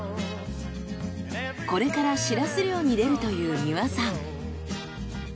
これからシラス漁に出るという三輪さん。